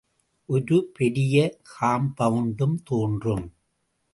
ஒரு பெரிய காம்பவுண்டும் தோன்றும்.